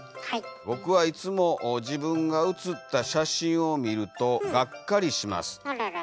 僕はいつも自分が写った写真を見るとがっかりします」。あららら。